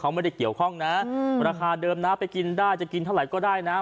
เขาไม่ได้เกี่ยวข้องนะราคาเดิมนะไปกินได้จะกินเท่าไหร่ก็ได้นะ